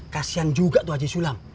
kasian juga tuh haji sulam